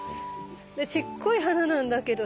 でちっこい花なんだけどさ。